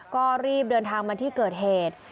ก็รีบเดินทางมาที่เกิดเหตุ